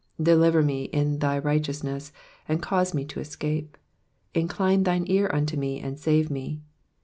2 Deliver me in thy righteousness, and cause me to escape ; incline thine ear unto me, and save me.